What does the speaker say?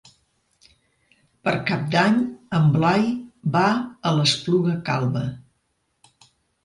Per Cap d'Any en Blai va a l'Espluga Calba.